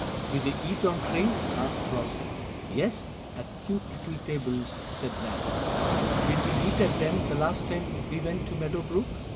"Do they eat on trains?" asked Flossie. "Yes, and at cute little tables," said Nan. "Did we eat at them the last time we went to Meadow Brook?"